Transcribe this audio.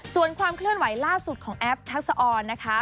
ส่วนความเคลื่อนไหวล่าสุดของแอฟทักษะออนนะคะ